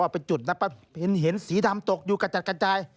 เป็นจุดนะเห็นสีดำตกอยู่กระจัดกระจาย